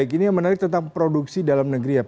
ini yang menarik tentang produksi dalam negeri